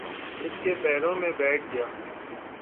اس کے پیروں میں بیٹھ گیا۔